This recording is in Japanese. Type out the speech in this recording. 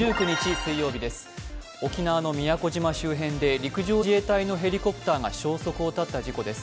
沖縄の宮古島周辺で陸上自衛隊のヘリコプターが消息を絶った事故です。